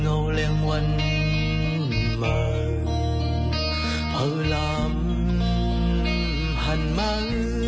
สองอานมีวันหกพันเงา